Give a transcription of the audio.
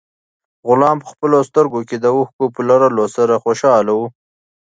غلام په خپلو سترګو کې د اوښکو په لرلو سره خوشاله و.